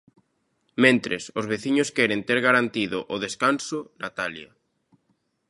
Mentres, os veciños queren ter garantido o descanso, Natalia.